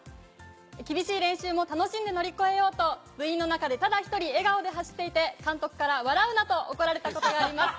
厳しい練習も楽しんで乗り越えようと部員の中でただ１人笑顔で走っていて監督から「笑うな！」と怒られたことがあります。